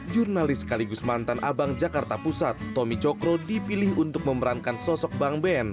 jurnalis sekaligus mantan abang jakarta pusat tommy cokro dipilih untuk memerankan sosok bang ben